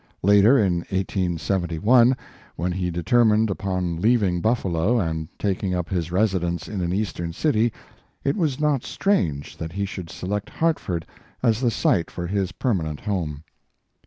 Later, in 1871, when he deter mined upon leaving Buffalo and taking up his residence in an eastern city, it was not strange that he should select Hartford as the site for his permanent home.